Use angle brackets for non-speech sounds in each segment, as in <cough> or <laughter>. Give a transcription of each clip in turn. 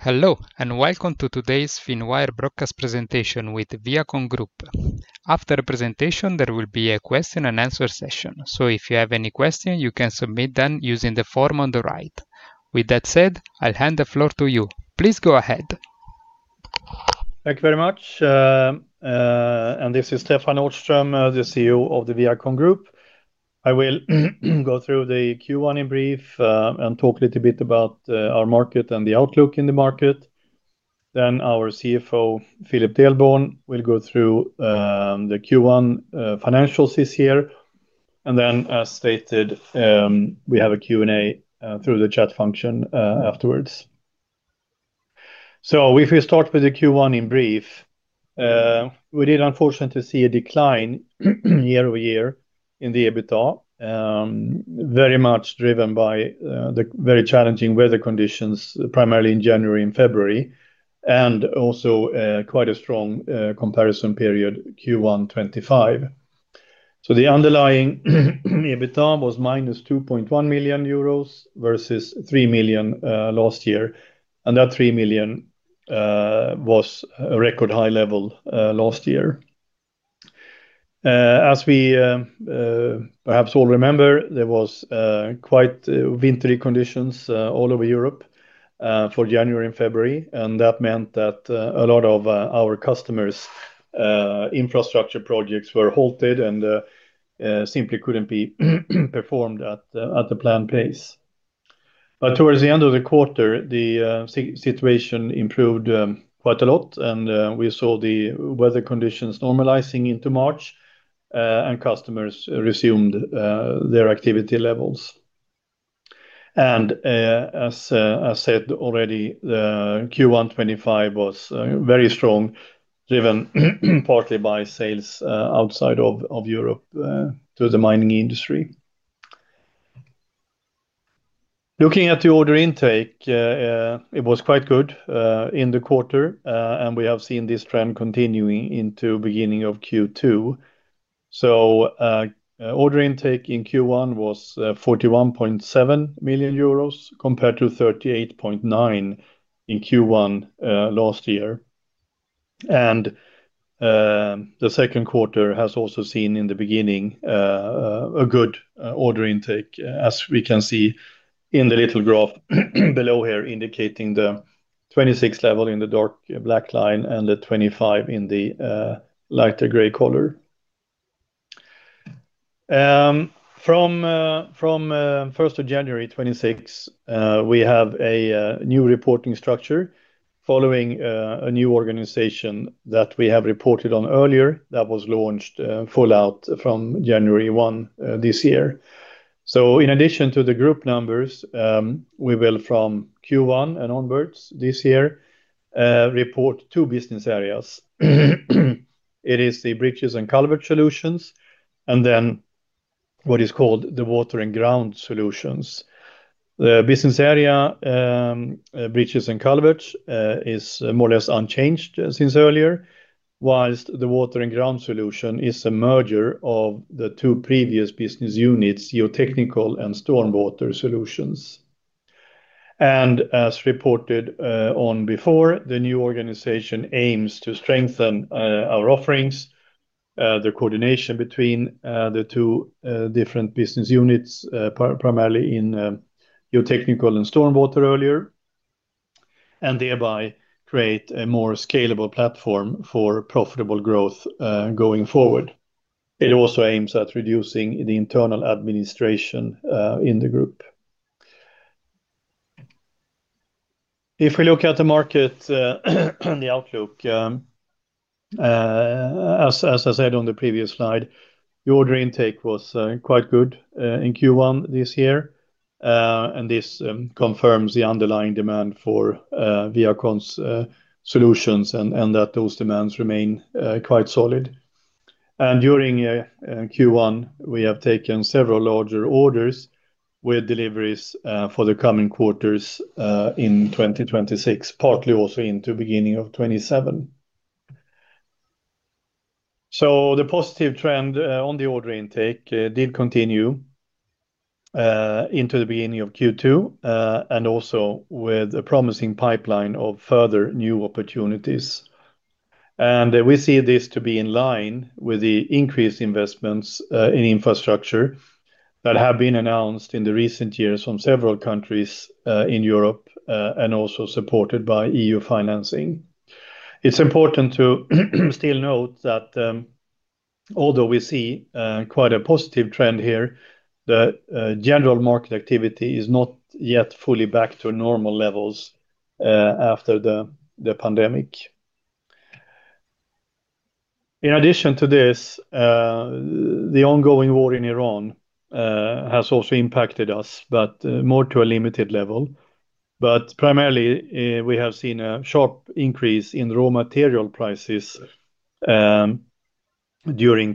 Hello. Welcome to today's Finwire broadcast presentation with ViaCon Group. After the presentation, there will be a question and answer session, so if you have any questions, you can submit them using the form on the right. With that said, I'll hand the floor to you. Please go ahead. Thank you very much. This is Stefan Nordström, the CEO of the ViaCon Group. I will go through the Q1 in brief, talk a little bit about our market and the outlook in the market. Our CFO, Philip Delborn, will go through the Q1 financials this year. As stated, we have a Q&A through the chat function afterwards. If we start with the Q1 in brief, we did unfortunately see a decline year-over-year in the EBITDA. Very much driven by the very challenging weather conditions, primarily in January and February, and also quite a strong comparison period, Q1 2025. The underlying EBITDA was -2.1 million euros versus 3 million last year. That 3 million was a record high level last year. As we perhaps all remember, there was quite wintry conditions all over Europe for January and February. That meant that a lot of our customers' infrastructure projects were halted and simply couldn't be performed at the planned pace. Towards the end of the quarter, the situation improved quite a lot, and we saw the weather conditions normalizing into March, and customers resumed their activity levels. As I said already, Q1 2025 was very strong, driven partly by sales outside of Europe to the mining industry. Looking at the order intake, it was quite good in the quarter. We have seen this trend continuing into beginning of Q2. Order intake in Q1 was 41.7 million euros compared to 38.9 in Q1 last year. The second quarter has also seen in the beginning a good order intake, as we can see in the little graph below here, indicating the 2026 level in the dark black line and the 2025 in the lighter gray color. From 1st of January 2026, we have a new reporting structure following a new organization that we have reported on earlier that was launched full out from January 1 this year. In addition to the group numbers, we will, from Q1 and onwards this year, report two business areas. It is the Bridges & Culverts Solutions and then what is called the Water & Ground Solutions. The business area, Bridges & Culverts, is more or less unchanged since earlier, whilst the Water & Ground Solutions is a merger of the two previous business units, GeoTechnical and StormWater Solutions. As reported on before, the new organization aims to strengthen our offerings, the coordination between the two different business units, primarily in GeoTechnical and StormWater earlier, and thereby create a more scalable platform for profitable growth going forward. It also aims at reducing the internal administration in the group. If we look at the market and the outlook, as I said on the previous slide, the order intake was quite good in Q1 this year. This confirms the underlying demand for ViaCon's solutions and that those demands remain quite solid. During Q1, we have taken several larger orders with deliveries for the coming quarters in 2026, partly also into beginning of 2027. The positive trend on the order intake did continue into the beginning of Q2, and also with a promising pipeline of further new opportunities. We see this to be in line with the increased investments in infrastructure that have been announced in the recent years from several countries in Europe, and also supported by EU financing. It's important to still note that although we see quite a positive trend here, the general market activity is not yet fully back to normal levels after the pandemic. In addition to this, the ongoing war in Iran has also impacted us, but more to a limited level. Primarily, we have seen a sharp increase in raw material prices during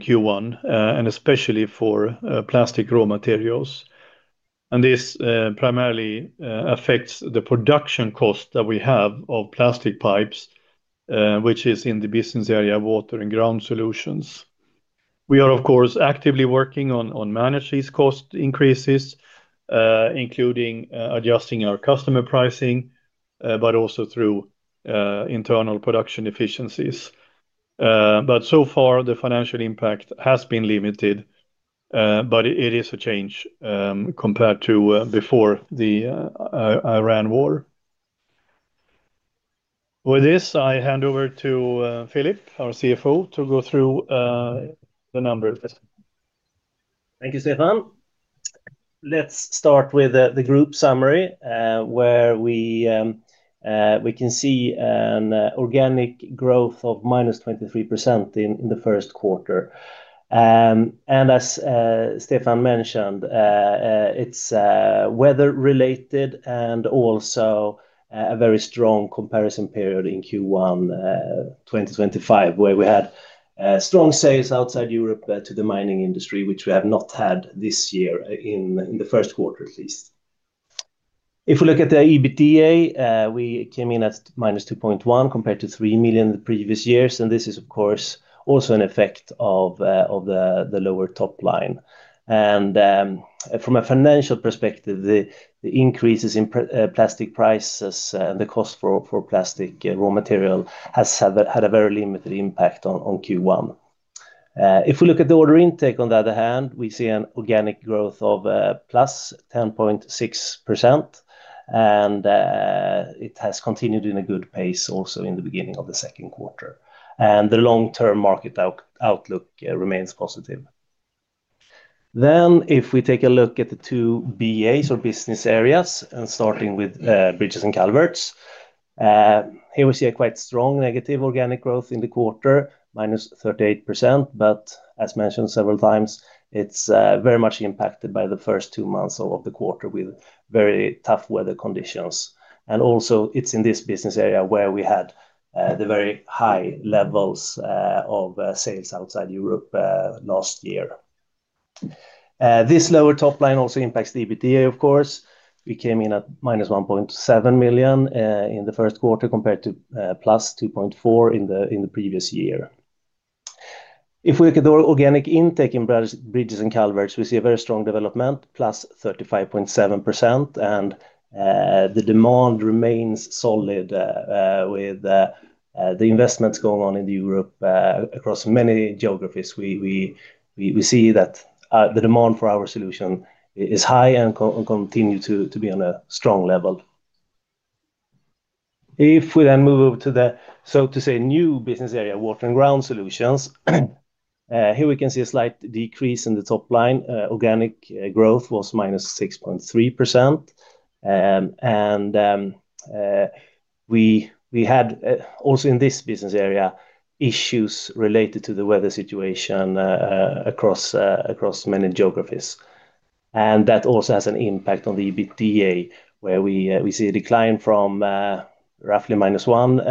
Q1, and especially for plastic raw materials. This primarily affects the production cost that we have of plastic pipes, which is in the business area, Water & Ground Solutions. We are, of course, actively working on managing these cost increases, including adjusting our customer pricing but also through internal production efficiencies. So far, the financial impact has been limited, but it is a change compared to before the Iran war. With this, I hand over to Philip, our CFO, to go through the numbers. Thank you, Stefan. Let's start with the group summary, where we can see an organic growth of -23% in the first quarter. As Stefan mentioned, it's weather-related and also a very strong comparison period in Q1 2025, where we had strong sales outside Europe to the mining industry, which we have not had this year in the first quarter at least. If we look at the EBITDA, we came in at -2.1 million compared to 3 million the previous years. This is, of course, also an effect of the lower top line. From a financial perspective, the increases in plastic prices and the cost for plastic raw material has had a very limited impact on Q1. If we look at the order intake, on the other hand, we see an organic growth of +10.6%, it has continued in a good pace also in the beginning of the second quarter. The long-term market outlook remains positive. If we take a look at the two BAs or business areas and starting with Bridges & Culverts. Here we see a quite strong negative organic growth in the quarter, -38%. As mentioned several times, it's very much impacted by the first two months of the quarter with very tough weather conditions. Also it's in this business area where we had the very high levels of sales outside Europe last year. This lower top line also impacts the EBITDA, of course. We came in at -1.7 million in the first quarter compared to +2.4 million in the previous year. If we look at the organic intake in Bridges & Culverts, we see a very strong development, +35.7%, and the demand remains solid with the investments going on in Europe across many geographies. We see that the demand for our solution is high and continue to be on a strong level. If we then move over to the, so to say, new business area, Water & Ground Solutions. Here we can see a slight decrease in the top line. Organic growth was -6.3%. We had also in this business area issues related to the weather situation across many geographies. That also has an impact on the EBITDA, where we see a decline from roughly -1.1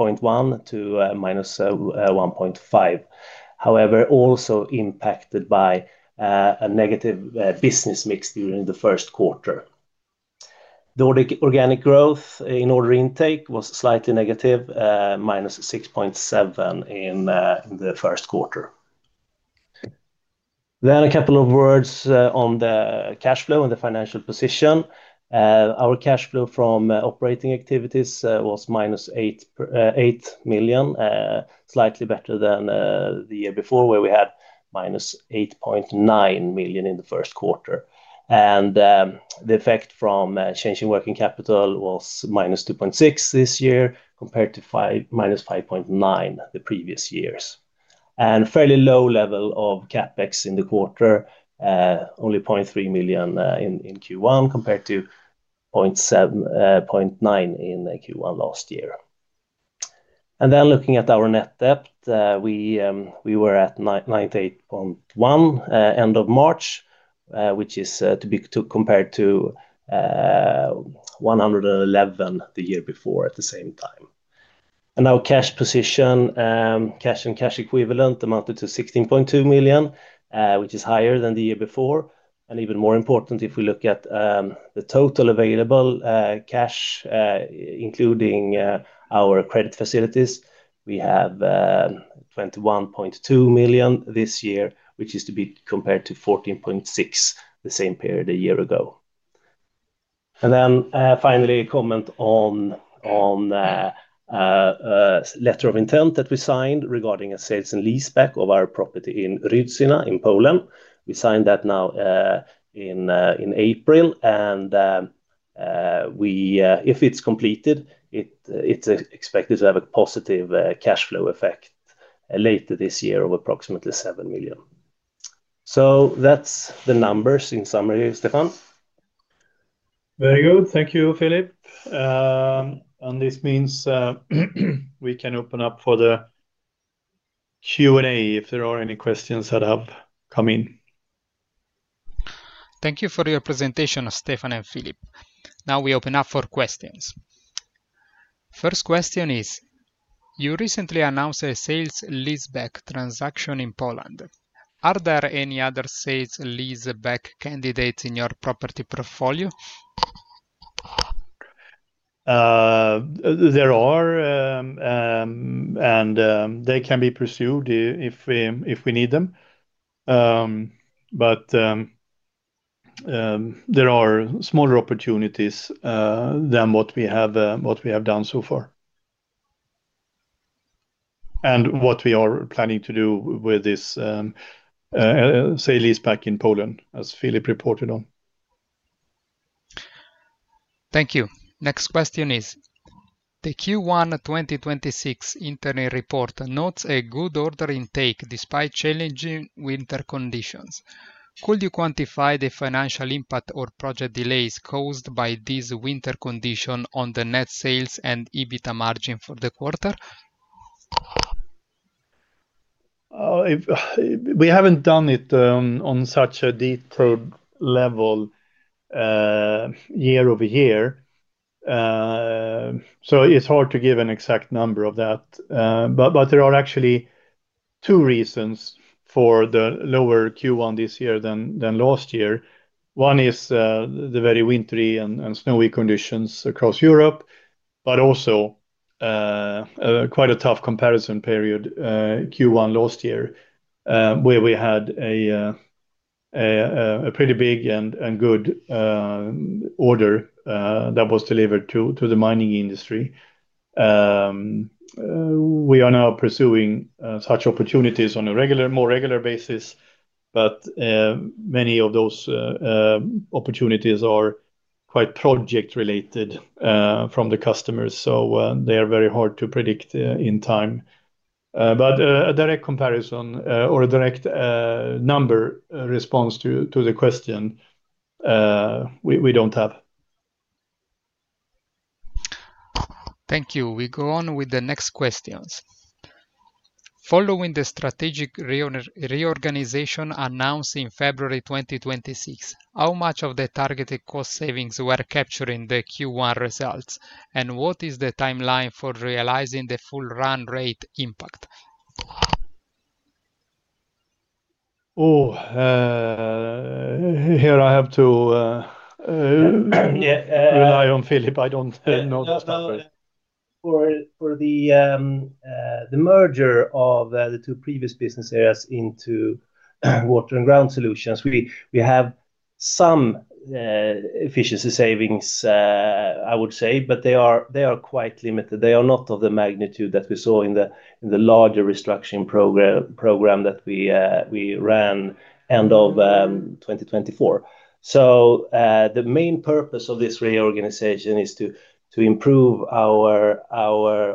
million--1.5 million. However, also impacted by a negative business mix during the first quarter. The organic growth in order intake was slightly negative, -6.7% in the first quarter. A couple of words on the cash flow and the financial position. Our cash flow from operating activities was -8 million, slightly better than the year before, where we had -8.9 million in the first quarter. The effect from a change in working capital was -2.6 million this year compared to -5.9 million the previous years. Fairly low level of CapEx in the quarter, only 0.3 million in Q1 compared to 0.9 million in Q1 last year. Looking at our net debt, we were at 98.1 million end of March, which is to be compared to 111 million the year before at the same time. Our cash position, cash and cash equivalent amounted to 16.2 million, which is higher than the year before. Even more important, if we look at the total available cash including our credit facilities, we have 21.2 million this year, which is to be compared to 14.6 the same period a year ago. Finally, a comment on letter of intent that we signed regarding a sales and leaseback of our property in Rydzyna in Poland. We signed that now in April. If it's completed, it's expected to have a positive cash flow effect later this year of approximately 7 million. That's the numbers in summary, Stefan. Very good. Thank you, Philip. This means we can open up for the Q&A if there are any questions that have come in. Thank you for your presentation, Stefan and Philip. Now we open up for questions. First question is: You recently announced a sales leaseback transaction in Poland. Are there any other sales leaseback candidates in your property portfolio? There are, and they can be pursued if we need them. There are smaller opportunities than what we have done so far and what we are planning to do with this sale and lease back in Poland, as Philip reported on. Thank you. Next question is: The Q1 2026 interim report notes a good order intake despite challenging winter conditions. Could you quantify the financial impact or project delays caused by this winter condition on the net sales and EBITDA margin for the quarter? We haven't done it on such a detailed level year-over-year, so it's hard to give an exact number of that. There are actually two reasons for the lower Q1 this year than last year. One is the very wintry and snowy conditions across Europe, but also quite a tough comparison period, Q1 last year, where we had a pretty big and good order that was delivered to the mining industry. We are now pursuing such opportunities on a more regular basis, but many of those opportunities are quite project-related from the customers, so they are very hard to predict in time. A direct comparison or a direct number response to the question, we don't have. Thank you. We go on with the next questions. Following the strategic reorganization announced in February 2026, how much of the targeted cost savings were captured in the Q1 results? What is the timeline for realizing the full run rate impact? Oh- Yeah ...rely on Philip. I don't know that. For the merger of the two previous business areas into Water & Ground Solutions, we have some efficiency savings, I would say, but they are quite limited. They are not of the magnitude that we saw in the larger restructuring program that we ran end of 2024. The main purpose of this reorganization is to improve our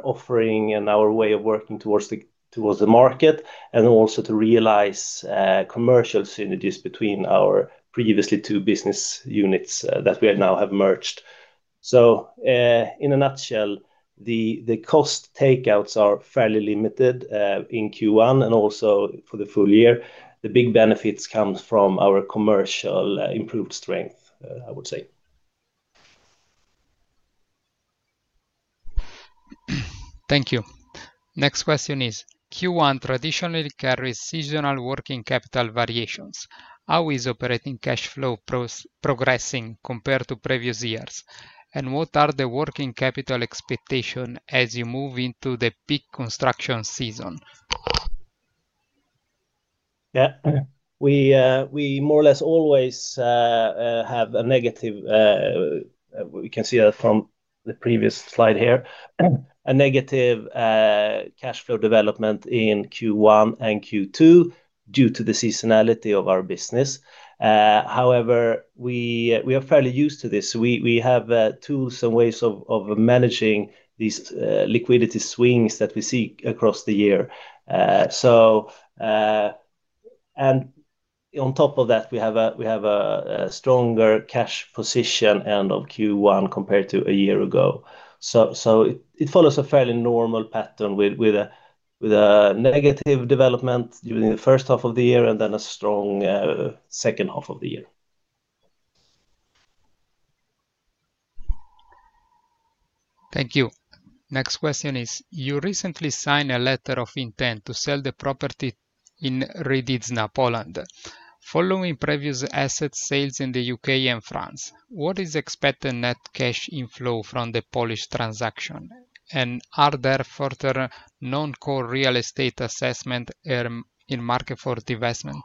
offering and our way of working towards the market, and also to realize commercial synergies between our previously two business units that we now have merged. In a nutshell, the cost takeouts are fairly limited in Q1 and also for the full year. The big benefits comes from our commercial improved strength, I would say. Thank you. Next question is: Q1 traditionally carries seasonal working capital variations. How is operating cash flow progressing compared to previous years? What are the working capital expectations as you move into the peak construction season? Yeah. We more or less always have a negative, we can see that from the previous slide here, a negative cash flow development in Q1 and Q2 due to the seasonality of our business. However, we are fairly used to this. We have tools and ways of managing these liquidity swings that we see across the year. On top of that, we have a stronger cash position end of Q1 compared to a year ago. It follows a fairly normal pattern with a negative development during the first half of the year and then a strong second half of the year. Thank you. Next question is: You recently signed a letter of intent to sell the property in Rydzyna, Poland. Following previous asset sales in the U.K., and France, what is expected net cash inflow from the Polish transaction? Are there further non-core real estate assets in market for divestment?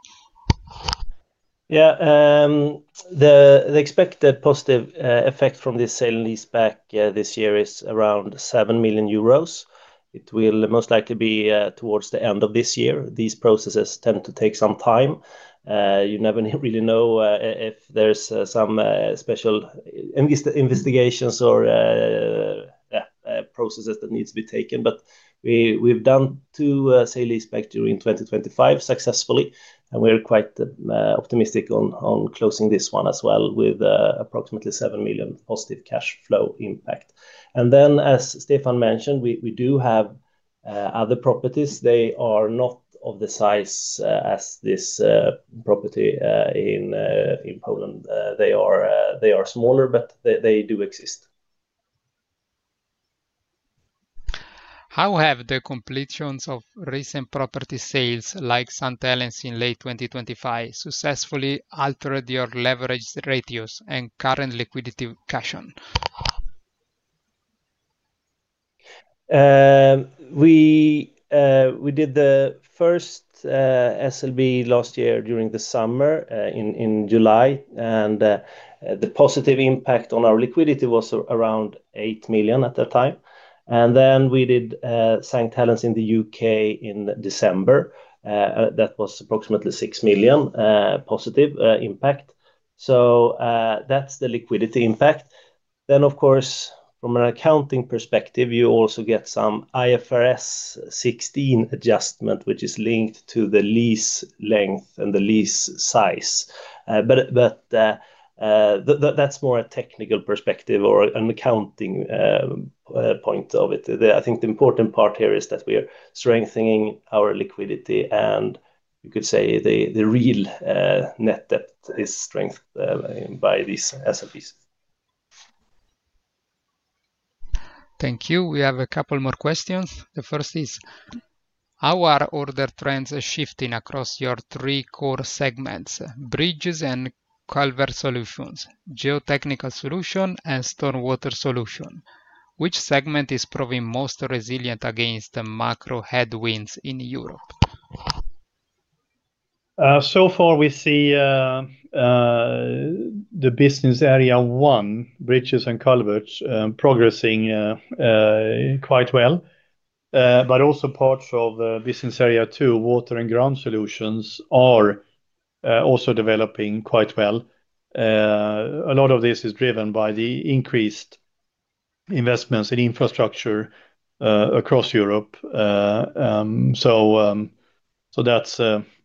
Yeah. The expected positive effect from this sale and lease back this year is around 7 million euros. It will most likely be towards the end of this year. These processes tend to take some time. You never really know if there's some special investigations or processes that needs to be taken. We've done two sale lease back during 2025 successfully, and we're quite optimistic on closing this one as well with approximately 7 million positive cash flow impact. As Stefan mentioned, we do have other properties. They are not of the size as this property in Poland. They are smaller, but they do exist How have the completions of recent property sales, like St. Helens in late 2025, successfully altered your leverage ratios and current liquidity cash on? <inaudible> We did the first SLB last year during the summer in July. The positive impact on our liquidity was around 8 million at that time. We did St. Helens in the U.K. in December. That was approximately 6 million positive impact. That's the liquidity impact. Of course, from an accounting perspective, you also get some IFRS 16 adjustment, which is linked to the lease length and the lease size. That's more a technical perspective or an accounting point of it. I think the important part here is that we are strengthening our liquidity, and you could say the real net debt is strengthened by these SLBs. Thank you. We have a couple more questions. The first is: How are order trends shifting across your three core segments, Bridges & Culverts Solutions, GeoTechnical Solutions, and StormWater Solutions? Which segment is proving most resilient against the macro headwinds in Europe? So far, we see the business area one, Bridges & Culverts, progressing quite well. Also parts of business area two, Water & Ground Solutions, are also developing quite well. A lot of this is driven by the increased investments in infrastructure across Europe.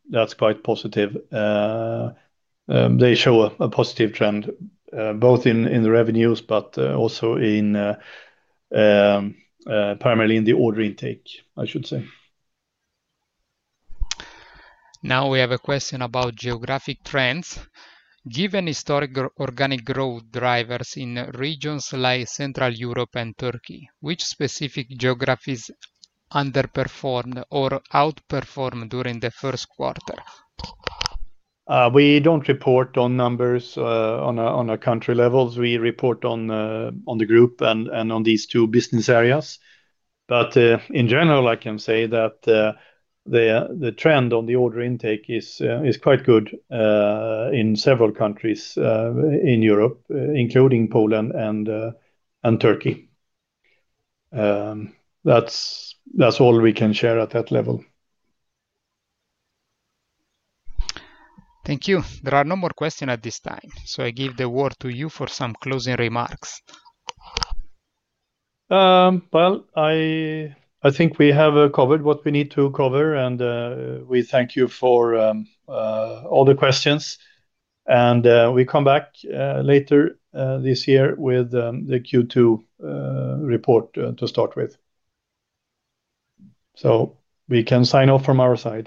That's quite positive. They show a positive trend both in the revenues but also primarily in the order intake, I should say. Now we have a question about geographic trends. Given historic organic growth drivers in regions like Central Europe and Turkey, which specific geographies underperformed or outperformed during the first quarter? We don't report on numbers on a country level. We report on the Group and on these two business areas. In general, I can say that the trend on the order intake is quite good in several countries in Europe, including Poland and Turkey. That's all we can share at that level. Thank you. There are no more questions at this time. I give the word to you for some closing remarks. Well, I think we have covered what we need to cover, and we thank you for all the questions. We come back later this year with the Q2 report to start with. We can sign off from our side.